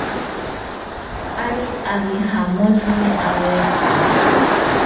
Ari abijamotsimi awotzi